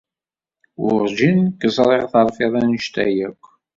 Werǧin k-ẓriɣ terfiḍ anect-a akk.